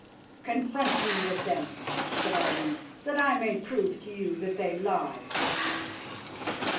"Confront me with them," said Irene, "that I may prove to you that they lie."